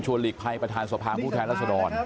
ชวนลิกภัยประธานสภาพผู้แทนรัฐสดร